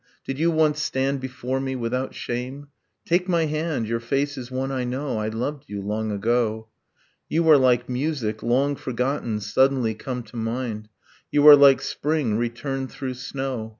Did you once stand before me without shame? ... Take my hand: your face is one I know, I loved you, long ago: You are like music, long forgotten, suddenly come to mind; You are like spring returned through snow.